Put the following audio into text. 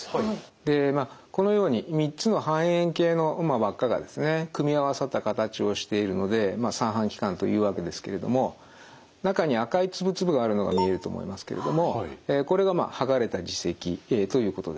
でまあこのように３つの半円形の輪っかがですね組み合わさった形をしているので三半規管というわけですけれども中に赤い粒々があるのが見えると思いますけれどもこれがはがれた耳石ということです。